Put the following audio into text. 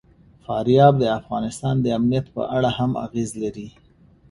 فاریاب د افغانستان د امنیت په اړه هم اغېز لري.